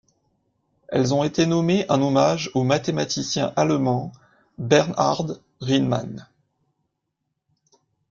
Elles ont été nommées en hommage au mathématicien allemand Bernhard Riemann.